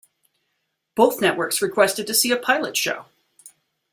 Both networks requested to see a pilot show.